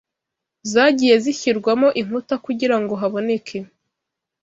zagiye zishyirwamo inkuta kugira ngo haboneke